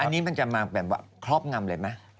อันนี้มันจะมาแบบว่าครอบงำเลยไหม